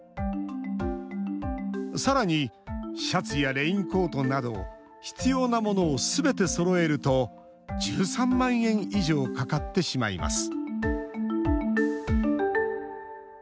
さらに、シャツやレインコートなど、必要なものをすべてそろえると、１３万円以上かかってしまいます。